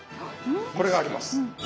これがあります。